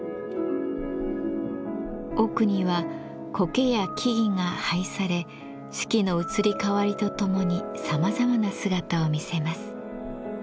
奥にはこけや木々が配され四季の移り変わりとともにさまざまな姿を見せます。